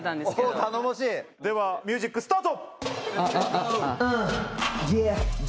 頼もしい！ではミュージックスタート。